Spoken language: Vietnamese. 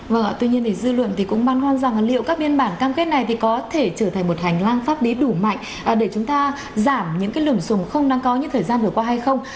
vâng tuy nhiên thì dư luận thì cũng ban hoan rằng liệu các biên bản cam kết này thì có thể trở thành một hành lang pháp bí đủ mạnh để chúng ta giảm những cái lửm sùng không năng có như thời gian vừa qua hay không